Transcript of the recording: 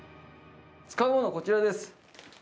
使うものはこちらです。